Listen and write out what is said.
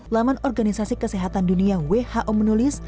laman organisasi kesehatan dunia who menulis